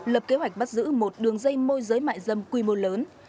lập kế hoạch bắt giữ một đường dây môi giới mại dâm quy mô lớn